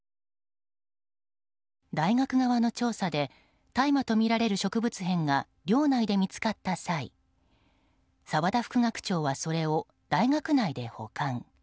大学側の調査で大麻とみられる植物片が寮内で見つかった際澤田副学長はそれを大学内で保管。